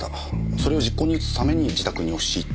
それを実行に移すために自宅に押し入った。